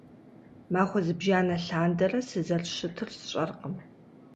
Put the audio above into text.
Махуэ зыбжанэ лъандэрэ, сызэрыщытыр сщӀэркъым